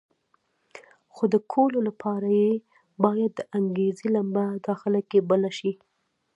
خو د کولو لپاره یې باید د انګېزې لمبه داخله کې بله شي.